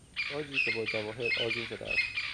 تاجی که با جواهر آذین شده است